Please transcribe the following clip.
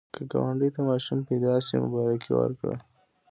که ګاونډي ته ماشوم پیدا شي، مبارکي ورکړه